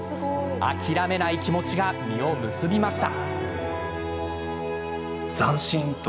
諦めない気持ちが実を結びました。